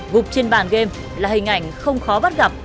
gục trên bàn game là hình ảnh không khó bắt gặp